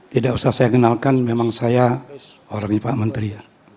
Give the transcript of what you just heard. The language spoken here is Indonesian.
tidak usah saya kenalkan memang saya orangnya pak menteri ya